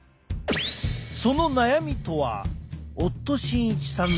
その悩みとは夫慎一さんの高血圧。